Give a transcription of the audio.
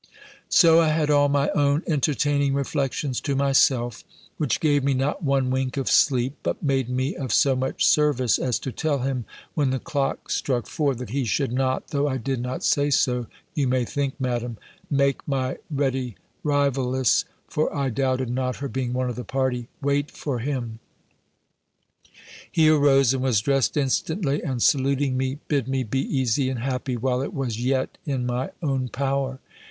So I had all my own entertaining reflections to myself; which gave me not one wink of sleep; but made me of so much service, as to tell him, when the clock struck four, that he should not (though I did not say so, you may think, Madam) make my ready rivaless (for I doubted not her being one of the party) wait for him. He arose, and was dressed instantly; and saluting me, bid me be easy and happy, while it was yet in my own power.